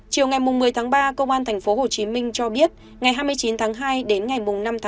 chiều một mươi ba công an tp hcm cho biết ngày hai mươi chín hai đến ngày năm ba hai nghìn hai mươi bốn